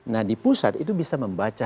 nah di pusat itu bisa membaca